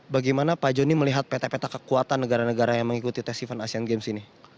bagaimana pak joni melihat peta peta kekuatan negara negara yang mengikuti tes event asian games ini